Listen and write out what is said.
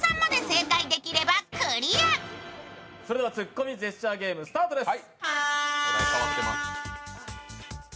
「ツッコミジェスチャーゲーム」スタートです。